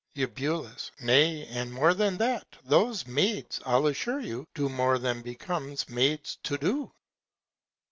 Eu. Nay, and more than that, those Maids, I'll assure you, do more than becomes Maids to do.